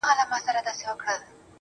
زلمۍ سندري